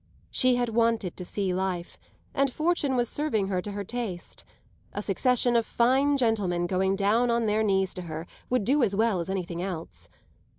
She had wanted to see life, and fortune was serving her to her taste; a succession of fine gentlemen going down on their knees to her would do as well as anything else.